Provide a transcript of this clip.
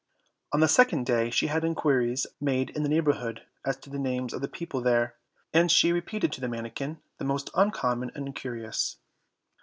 On the second day she had inquiries made in the neighborhood as to the names of the people there, and she repeated to the manikin the most uncommon and curious.